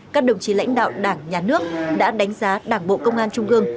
các đồng chí lãnh đạo đảng nhà nước đã đánh giá đảng bộ công an trung ương